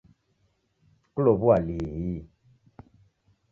Kulow'ua lihi?